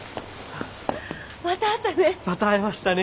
また会ったね。